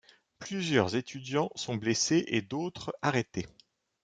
Plusieurs étudiants sont blessés et d'autres arrêtés.